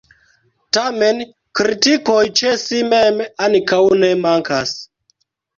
Tamen kritikoj ĉe si mem ankaŭ ne mankas.